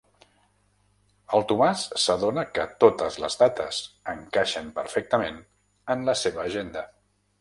El Tomàs s'adona que totes les dates encaixen perfectament en la seva agenda.